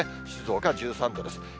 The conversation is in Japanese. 静岡１３度です。